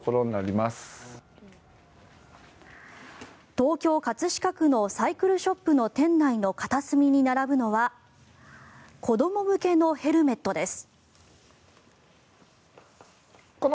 東京・葛飾区のサイクルショップの店内の片隅に並ぶのは子ども向けのヘルメットです。